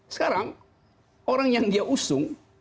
sekarang orang yang dia usung